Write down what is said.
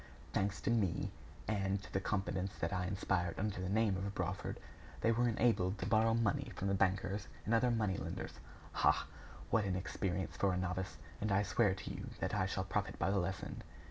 Thanks to me, and to the confidence that I inspired under the name of Brawford, they were enabled to borrow money from the bankers and other money lenders. Ha! what an experience for a novice! And I swear to you that I shall profit by the lesson!"